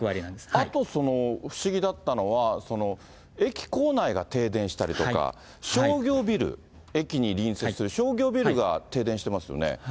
あと不思議だったのは、駅構内が停電したりとか、商業ビル、駅に隣接する商業ビルが停電してますよね。